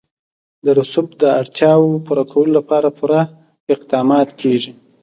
د رسوب د اړتیاوو پوره کولو لپاره پوره اقدامات کېږي.